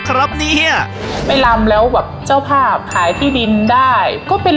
ครับเนี้ยไม่ลำแล้วแบบเจ้าภาพขายที่ดินได้ก็เป็น